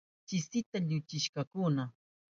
Chisita llukshishkakuna.